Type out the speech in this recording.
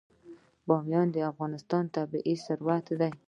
بامیان د افغانستان طبعي ثروت دی.